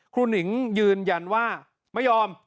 หนิงยืนยันว่าไม่ยอม